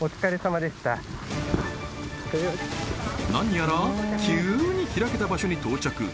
何やら急にひらけた場所に到着